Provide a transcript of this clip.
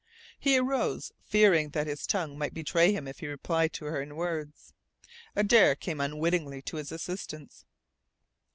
He arose, fearing that his tongue might betray him if he replied to her in words. Adare came unwittingly to his assistance.